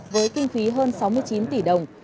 với kinh phí hơn sáu mươi chín tỷ đồng